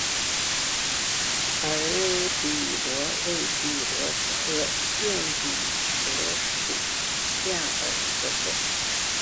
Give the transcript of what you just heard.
耳笔螺为笔螺科焰笔螺属下的一个种。